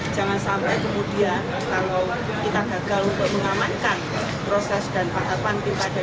jangan sampai kemudian kalau kita gagal untuk mengamankan proses dan tahapan pilkada